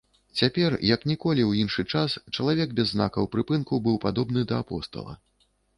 Цяпер, як ніколі ў іншы час, чалавек без знакаў прыпынку быў падобны да апостала.